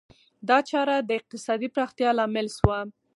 دا چاره د اقتصادي پراختیا لامل شوه.